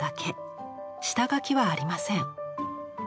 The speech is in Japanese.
下描きはありません。